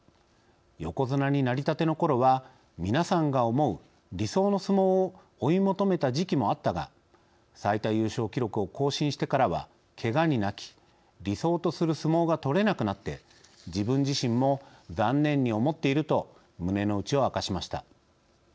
横綱になりたての頃は皆さんが思う、理想の相撲を追い求めた時期もあったが最多優勝記録を更新してからはけがに泣き理想とする相撲がとれなくなって自分自身も残念に思っている」と胸のうちを明かしました。